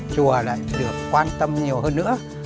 chùa lại được quan tâm nhiều hơn nữa